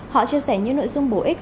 họ chia sẻ những nội dung bổ ích